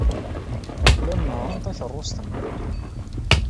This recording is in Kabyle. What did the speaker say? Llan nehhṛen takeṛṛust-nni.